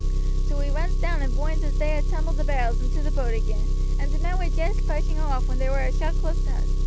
"So we runs down and voinds as they had tumbled the bar'ls into t' boat again, and t' men war just pushing her off when there war a shout close to us.